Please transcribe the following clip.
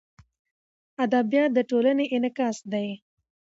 ادبیات د ټولنې انعکاس دی.